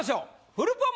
フルポン